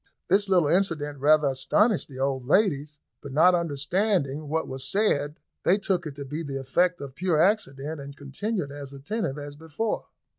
This little incident rather astonished the old ladies, but not understanding what was said, they took it to be the effect of pure accident, and continued as attentive as before.